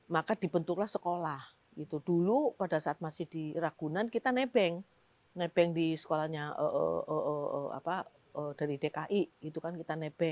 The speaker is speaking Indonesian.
maka dibentuklah sekolah dulu pada saat masih di ragunan kita nebeng di sekolahnya dari dki